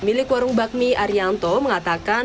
milik warung bakmi arianto mengatakan